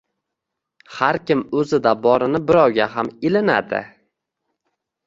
Har kim oʻzida borini birovga ham ilinadi.